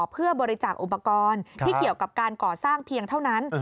เพื่อบริจาคอุปกรณ์ที่เกี่ยวกับการก่อสร้างเพียงเท่านั้น